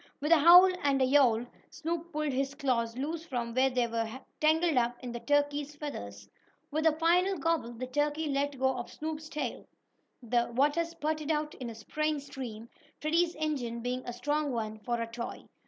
With a howl and a yowl Snoop pulled his claws loose from where they were tangled up in the turkey's feathers. With a final gobble, the turkey let go of Snoop's tail. The water spurted out in a spraying stream, Freddie's engine being a strong one, for a toy.